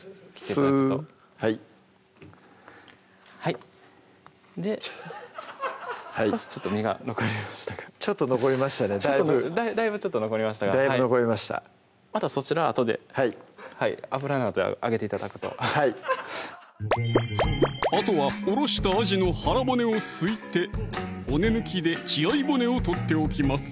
少しちょっと身が残りましたがちょっと残りましたねだいぶだいぶちょっと残りましたがまたそちらはあとで油などで揚げて頂くとはいあとはおろしたあじの腹骨をすいて骨抜きで血合い骨を取っておきます